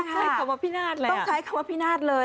ใช่คำว่าพินาศเลยต้องใช้คำว่าพินาศเลย